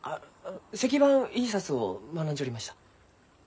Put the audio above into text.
石版印刷を学んじょりました。